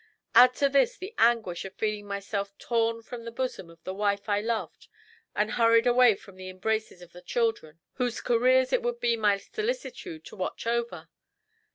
Add to this the anguish of feeling myself torn from the bosom of the wife I loved and hurried away from the embraces of the children whose careers it would be my solicitude to watch over.